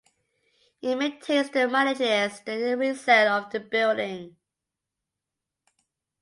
It maintains and manages the resale of the building.